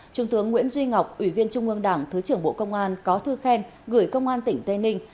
trung tướng nguyễn duy ngọc ủy viên trung ương đảng thứ trưởng bộ công an có thư khen gửi công an tỉnh tây ninh